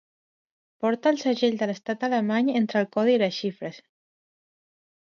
Porta el segell de l'estat alemany entre el codi i les xifres.